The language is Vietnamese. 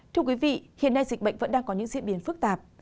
thưa quý vị hiện nay dịch bệnh vẫn đang có những diễn biến phức tạp